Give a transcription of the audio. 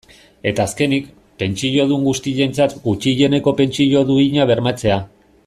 Eta azkenik, pentsiodun guztientzat gutxieneko pentsio duina bermatzea.